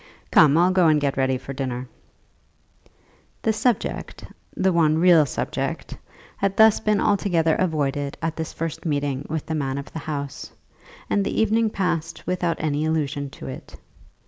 Come; I'll go and get ready for dinner." The subject, the one real subject, had thus been altogether avoided at this first meeting with the man of the house, and the evening passed without any allusion to it.